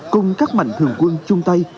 cùng các mạnh thường quân chung tay